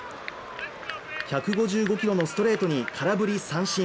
１５５キロのストレートに空振り三振。